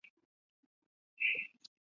高梁蚜为常蚜科色蚜属下的一个种。